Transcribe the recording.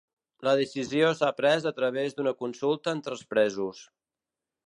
La decisió s’ha pres a través d’una consulta entre els presos.